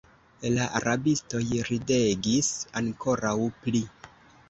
La rabistoj ridegis ankoraŭ pli.